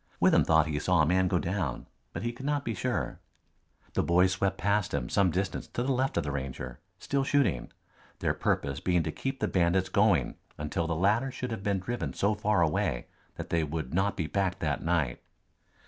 Withem thought he saw a man go down, but he could not be sure. The boys swept past him some distance to the left of the Ranger, still shooting, their purpose being to keep the bandits going until the latter should have been driven so far away that they would not be back that night.